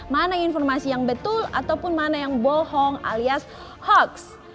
mana informasi yang betul ataupun mana yang bohong alias hoax